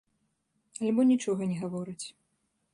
Альбо нічога не гавораць.